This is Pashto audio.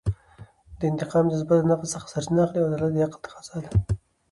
د انتقام جذبه له نفس څخه سرچینه اخلي او عدالت د عقل تفاضا ده.